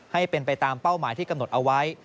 ให้เป็นไปตามเป้าหมายที่กำหนดเอาไว้